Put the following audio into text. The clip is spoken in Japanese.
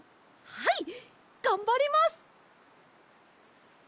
はいがんばります！